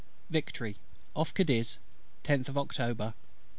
Victory, off Cadiz, 10th of October, 1805.